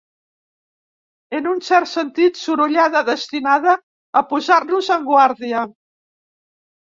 En un cert sentit, sorollada destinada a posar-nos en guàrdia.